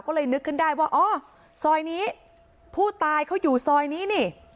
ก็เลยนึกขึ้นได้ว่าอ๋อซอยนี้ผู้ตายเขาอยู่ซอยนี้นี่